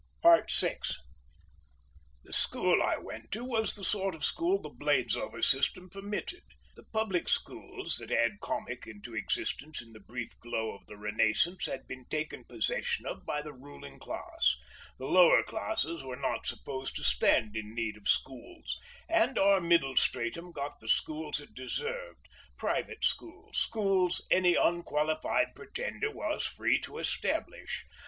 VI The school I went to was the sort of school the Bladesover system permitted. The public schools that add comic into existence in the brief glow of the Renascence had been taken possession of by the ruling class; the lower classes were not supposed to stand in need of schools, and our middle stratum got the schools it deserved, private schools, schools any unqualified pretender was free to establish.